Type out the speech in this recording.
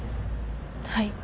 はい。